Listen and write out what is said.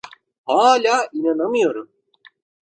Hâlâ inanamıyorum.